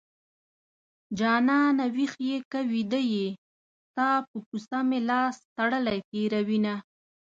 جانانه ويښ يې که ويده يې ستا په کوڅه مې لاس تړلی تېروينه